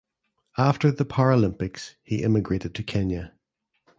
After the Paralympics he immigrated to Kenya.